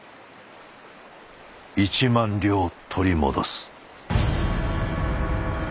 １万両取り戻す。